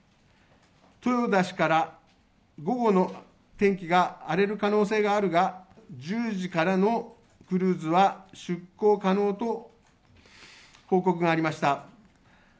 豊田氏から、午後の天気が荒れる可能性があるが、１０時からのクルーズは出航可能と報告がありました。